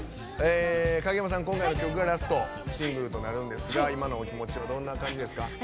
影山さん、今回の曲がラストシングルとなるんですが今のお気持ちはどんな感じですか。